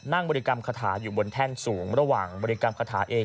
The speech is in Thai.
บริกรรมคาถาอยู่บนแท่นสูงระหว่างบริกรรมคาถาเอง